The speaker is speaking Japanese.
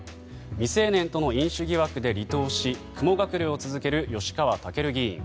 未成年との飲酒疑惑で離党し雲隠れを続ける吉川赳議員。